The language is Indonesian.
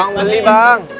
bang beli bang